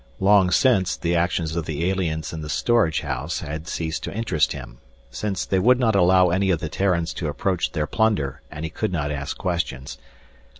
Long since the actions of the aliens in the storage house had ceased to interest him, since they would not allow any of the Terrans to approach their plunder and he could not ask questions.